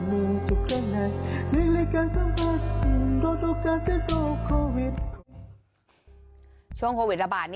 โดนโรงคนไทยใส่หน้ากากอนามัยป้องกันโควิด๑๙กันอีกแล้วค่ะ